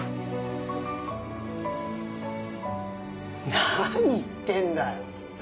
なに言ってんだよ。